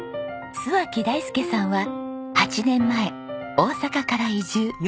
洲脇大輔さんは８年前大阪から移住。